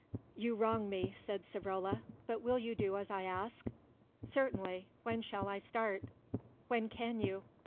"You wrong me," said Savrola; "but will you do as I ask?" "Certainly, when shall I start?" "When can you?"